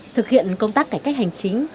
thực hiện công tác cải cách hành chính